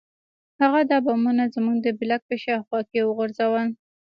هغه دا بمونه زموږ د بلاک په شاوخوا کې وغورځول